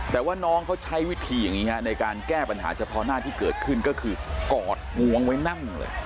แต่ว่าน้องเขาใช้วิธีอย่างนี้ในการแก้ปัญหาเฉพาะหน้าที่เกิดขึ้นก็คือกอดงวงไว้นั่งเลย